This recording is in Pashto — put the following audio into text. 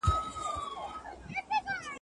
چي پيلان کوي، پيلخانې به جوړوي.